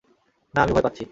না, আমি ভয় পাচ্ছি।